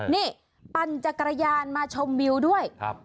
นี่ปั่นจักรยานมาชมวิวด้วย